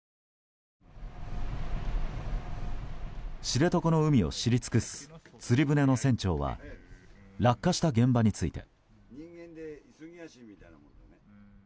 知床の海を知り尽くす釣り船の船長は落下した現場について。